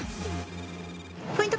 ポイント